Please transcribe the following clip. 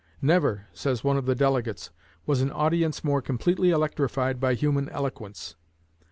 "Never," says one of the delegates, "was an audience more completely electrified by human eloquence.